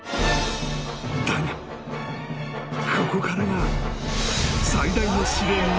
［だがここからが］